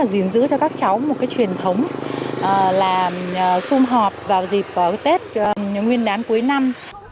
dính giữ cho các cháu một cái truyền thống là xung họp vào dịp tết nguyên đáng cuối năm